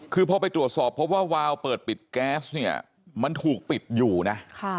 คือพอไปตรวจสอบพบว่าวาวเปิดปิดแก๊สเนี่ยมันถูกปิดอยู่นะ